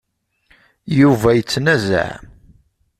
Yuba yettnazaɛ.